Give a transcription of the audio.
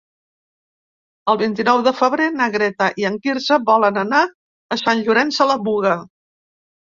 El vint-i-nou de febrer na Greta i en Quirze volen anar a Sant Llorenç de la Muga.